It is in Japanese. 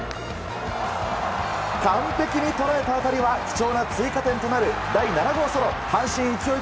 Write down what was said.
完璧に捉えた当たりは貴重な追加点となる第７号ソロ阪神勢い